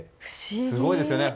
すごいですよね。